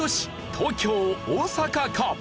東京大阪か？